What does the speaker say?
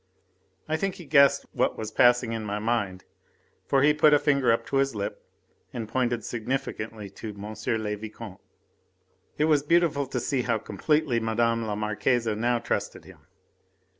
I think he guessed what was passing in my mind, for he put a finger up to his lip and pointed significantly to M. le Vicomte. But it was beautiful to see how completely Mme. la Marquise now trusted him.